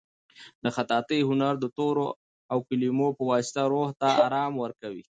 د خطاطۍ هنر د تورو او کلیمو په واسطه روح ته ارامي ورکوي.